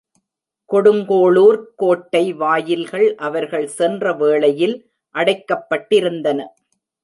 கொடுங்கோளுர்க் கோட்டை வாயில்கள் அவர்கள் சென்ற வேளையில் அடைக்கப்பட்டிருந்தன.